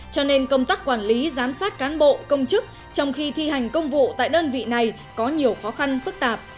cho nên công tác quản lý giám sát cán bộ công chức trong khi thi hành công vụ tại đơn vị này có nhiều khó khăn phức tạp